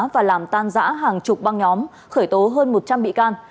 và làm tan giã hàng chục băng nhóm khởi tố hơn một trăm linh bị can